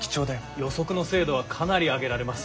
予測の精度はかなり上げられます。